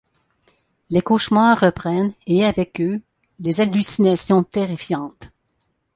Les cauchemars reprennent et avec eux, les hallucinations terrifiantes.